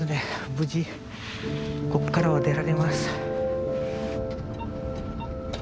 無事こっからは出られます。